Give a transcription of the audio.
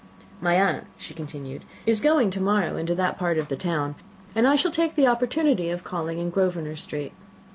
"My aunt," she continued, "is going to morrow into that part of the town, and I shall take the opportunity of calling in Grosvenor Street."